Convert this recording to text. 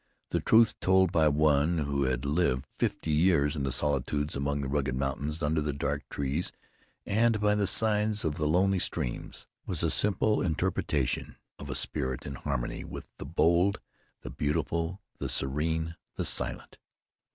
The truth, told by one who had lived fifty years in the solitudes, among the rugged mountains, under the dark trees, and by the sides of the lonely streams, was the simple interpretation of a spirit in harmony with the bold, the beautiful, the serene, the silent.